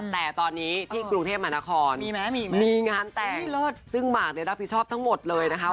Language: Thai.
แต่ตอนนี้ที่กรุงเทพมหานครมีงานแต่งซึ่งหมากเนี่ยรับผิดชอบทั้งหมดเลยนะคะ